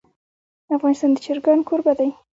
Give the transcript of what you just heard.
افغانستان د چرګان کوربه دی.